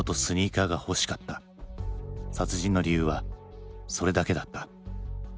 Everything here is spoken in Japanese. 殺人の理由はそれだけだった。